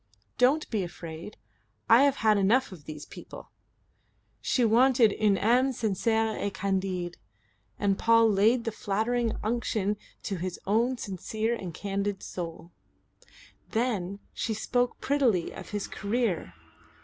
"Don't be afraid. I have had enough of these people." She wanted une ame sincere et candide; and Paul laid the flattering unction to his own sincere and candid soul. Then she spoke prettily of his career.